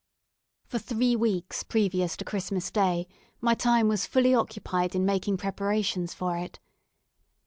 For three weeks previous to Christmas day, my time was fully occupied in making preparations for it.